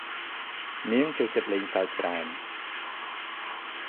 នាងចូលចិត្តលេងសើចច្រើន។